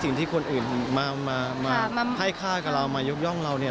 สิ่งที่คนอื่นมาให้ค่ากับเรามายกย่องเราเนี่ย